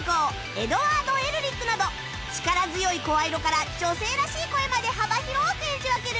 エドワード・エルリックなど力強い声色から女性らしい声まで幅広く演じ分ける